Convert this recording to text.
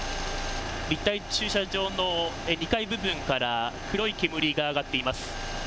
立体駐車場の２階部分から黒い煙が上がっています。